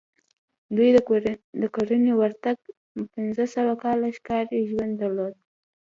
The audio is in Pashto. دوی د کرنې ورتګ وړاندې پنځه سوه کاله ښکاري ژوند درلود